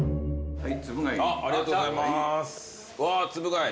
はい